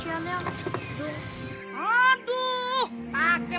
aku bisa sendiri